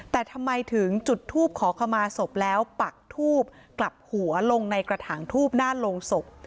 แต่ทำไมถึงจุดทูปขอขมาศพแล้วปักทูบกลับหัวลงในกระถางทูบหน้าโรงศพ